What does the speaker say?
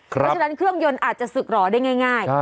เพราะฉะนั้นเครื่องยนต์อาจจะศึกหรอได้ง่าย